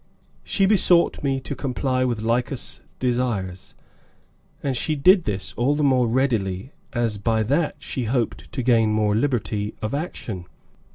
She besought me to comply with Lycas' desires, and she did this all the more readily as by that she hoped to gain more liberty of action.